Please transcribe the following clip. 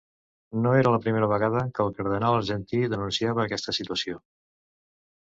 No era la primera vegada que el cardenal argentí denunciava aquesta situació.